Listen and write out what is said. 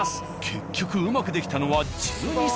結局うまくできたのは。